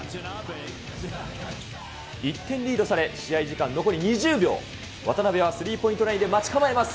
１点リードされ、試合時間残り２０秒、渡邊はスリーポイントラインで待ち構えます。